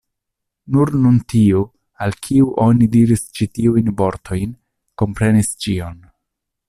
Nur nun tiu, al kiu oni diris ĉi tiujn vortojn, komprenis ĉion.